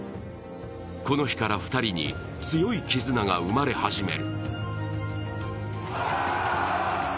この日から２人に強い絆が生まれ始める。